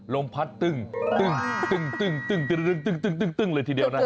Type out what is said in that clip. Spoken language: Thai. ลมพัดตึ้งเลยทีเดียวนะครับ